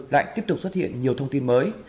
lại tiếp tục xuất hiện nhiều thông tin mới